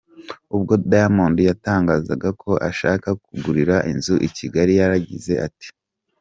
Ubwo Diamond yatangazaga ko ashaka kugura inzu i Kigali, yaragize ati:.